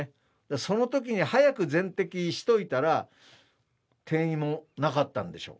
そのときに早く全摘しといたら、転移もなかったんでしょう。